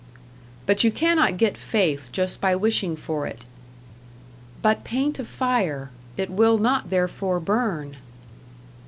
But you cannot get faith just by wishing for it But paint a fire, it will not therefore burn!